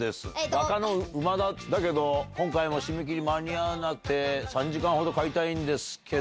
画家の馬田だけど今回も締め切りが間に合わなくて、３時間ほど買いたいんですけど。